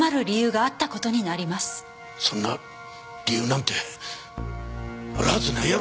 そんな理由なんてあるはずないやろ！